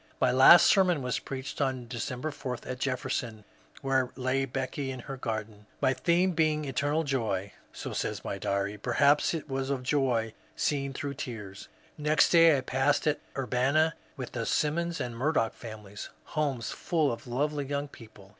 My last sermon was preached on December 4 at Jefferson, where lay Becky in her garden, my theme being "Eternal Joy." So says my diary; perhaps it was of joy seen through tears. Next day I passed at Urbanna, with the Simmons and Murdoch families, — homes full of lovely young people.